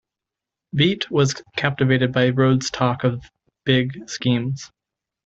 Beit was captivated by Rhodes' talk of 'big schemes'.